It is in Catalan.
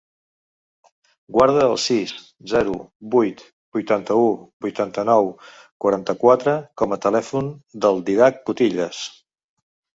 Guarda el sis, zero, vuit, vuitanta-u, vuitanta-nou, quaranta-quatre com a telèfon del Dídac Cutillas.